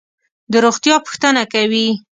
د روغتیا پوښتنه کوي.